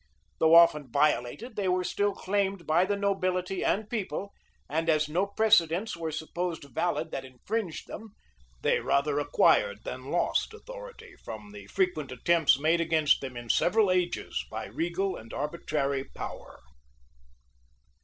Though often violated, they were still claimed by the nobility and people; and as no precedents were supposed valid that infringed them, they rather acquired than lost authority, from the frequent attempts made against them in several ages by regal and arbitrary power.